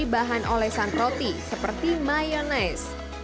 bahan olesan roti seperti mayonaise